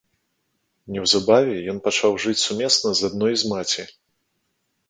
Неўзабаве ён пачаў жыць сумесна з адной з маці.